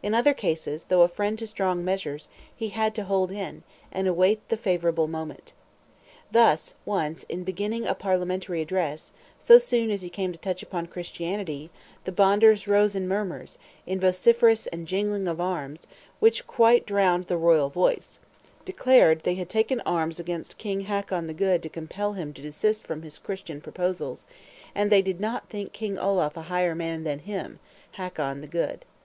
In other cases, though a friend to strong measures, he had to hold in, and await the favorable moment. Thus once, in beginning a parliamentary address, so soon as he came to touch upon Christianity, the Bonders rose in murmurs, in vociferations and jingling of arms, which quite drowned the royal voice; declared, they had taken arms against king Hakon the Good to compel him to desist from his Christian proposals; and they did not think King Olaf a higher man than him (Hakon the Good).